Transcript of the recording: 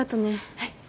はい。